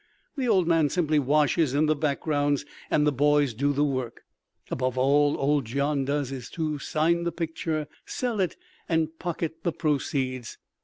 The old man simply washes in the backgrounds and the boys do the work. About all old Gian does is to sign the picture, sell it and pocket the proceeds.